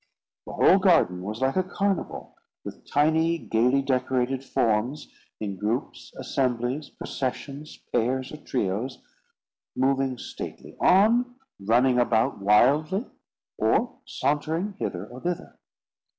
The whole garden was like a carnival, with tiny, gaily decorated forms, in groups, assemblies, processions, pairs or trios, moving stately on, running about wildly, or sauntering hither or thither.